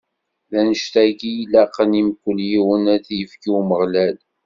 D annect-agi i ilaqen i mkul yiwen ad t-ifk i Umeɣlal.